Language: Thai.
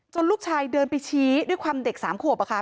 ลูกชายเดินไปชี้ด้วยความเด็ก๓ขวบ